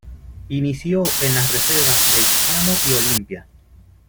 Inició en las reservas de Hispano y Olimpia.